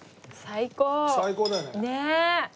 最高だよね。